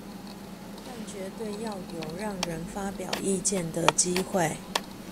但絕對要有讓人發表意見的機會